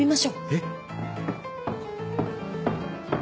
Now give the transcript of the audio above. えっ！？